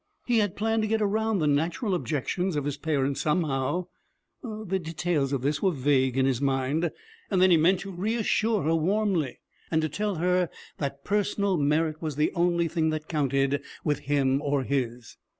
He had planned to get around the natural objections of his parents somehow the details of this were vague in his mind and then he meant to reassure her warmly, and tell her that personal merit was the only thing that counted with him or his.